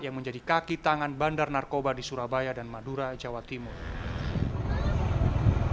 yang menjadi kaki tangan bandar narkoba di surabaya dan madura jawa timur